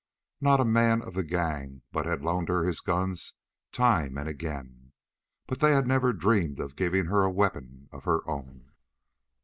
Not a man of the gang but had loaned her his guns time and again, but they had never dreamed of giving her a weapon of her own.